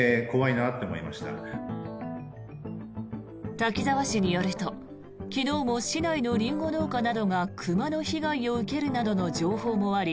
滝沢市によると昨日も市内のリンゴ農家などが熊の被害を受けるなどの情報もあり